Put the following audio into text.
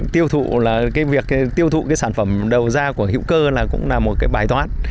tiêu thụ sản phẩm đầu ra của hữu cơ cũng là một bài toán